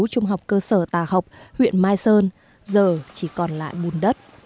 trung học cơ sở tà học huyện mai sơn giờ chỉ còn lại bùn đất